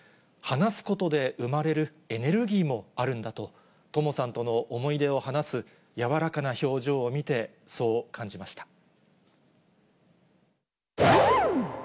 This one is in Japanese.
話すことで生まれるエネルギーもあるんだと、トモさんとの思い出を話す柔らかな表情を見て、そう感じました。